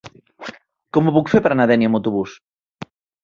Com ho puc fer per anar a Dénia amb autobús?